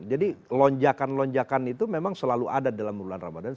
jadi lonjakan lonjakan itu memang selalu ada dalam bulan ramadan